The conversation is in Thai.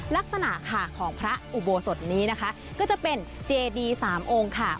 ลักษณะค่ะของพระอุโบสถนี้นะคะก็จะเป็นเจดีสามองค์ค่ะ